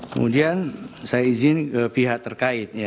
kemudian saya izin pihak terkait ya